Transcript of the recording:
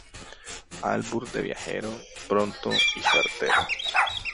albur de viajero, pronto y certero.